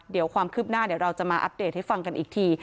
เดี๋ยวความคืบหน้าเดี๋ยวเราจะมาอัปเดตให้ฟังกันอีกที